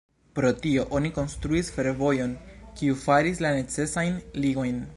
Pro tio oni konstruis fervojon, kiu faris la necesajn ligojn.